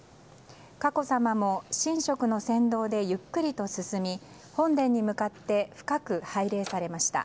佳子さまも神職の先導でゆっくりと進み本殿に向かって深く拝礼されました。